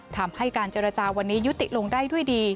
ทำให้การเจรจาวันนี้ยุติลงได้ด้วยดี